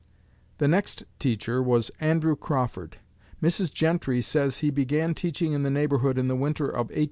The next teacher was Andrew Crawford. Mrs. Gentry says he began teaching in the neighborhood in the winter of 1822 3.